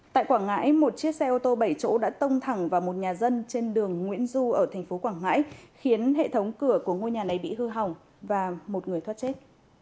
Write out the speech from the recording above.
tại quảng ngãi một chiếc xe ô tô bảy chỗ đã tông thẳng vào một nhà dân trên đường nguyễn du ở thành phố quảng ngãi khiến hệ thống cửa của ngôi nhà này bị hư hỏng và một người thoát chết